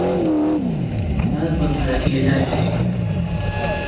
Арба мыгӏвагьи йальажьазйа?